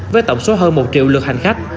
với tổng số hơn một triệu lượt hành khách